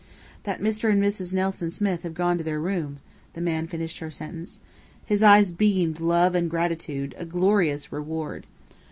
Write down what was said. "That Mr. and Mrs. Nelson Smith have gone to their room," the man finished her sentence. His eyes beamed love and gratitude, a glorious reward.